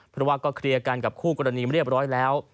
เพราะว่าก็เคลียร์กันกับคู่กรณีเรียบร้อยแล้ว